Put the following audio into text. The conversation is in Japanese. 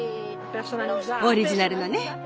オリジナルのね。